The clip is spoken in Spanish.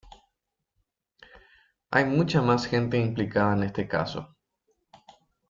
Hay mucha más gente implicada en este caso.